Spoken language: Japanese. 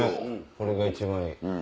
これが一番いい。